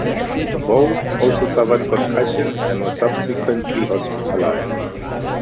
Both also suffered concussions and were subsequently hospitalized.